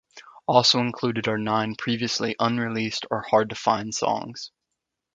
Also included are nine previously unreleased or hard-to-find songs.